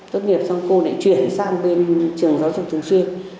tốt nghiệp xong cô lại chuyển sang bên trường giáo dục thường xuyên